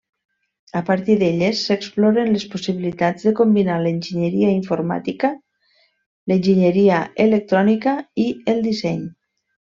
A partir d'elles, s'exploren les possibilitats de combinar l'enginyeria informàtica, l'enginyeria electrònica i el disseny.